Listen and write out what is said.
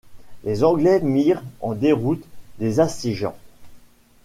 Les Anglais mirent en déroute les assiégeants.